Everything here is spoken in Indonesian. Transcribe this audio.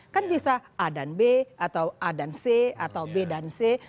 kan bisa a dan b atau a dan c atau b dan c